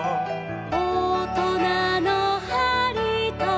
「おとなのはりと」